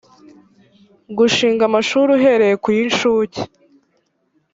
gushinga amashuri uhereye ku y incuke